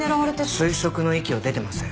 推測の域を出てません。